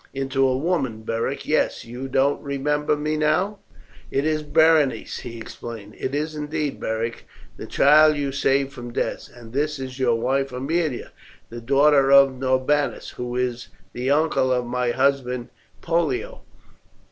"Into a young woman, Beric. Yes, don't you remember me now?" "It is Berenice!" he exclaimed. "It is indeed, Beric, the child you saved from death. And this is your wife Aemilia, the daughter of Norbanus, who is the uncle of my husband Pollio.